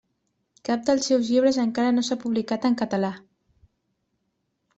Cap dels seus llibres encara no s’ha publicat en català.